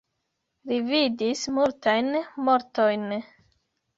Li vidis multajn mortojn.